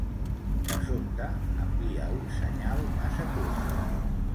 De sobte, envia un senyal a Saturn.